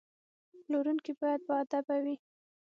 پلورونکی باید باادبه وي.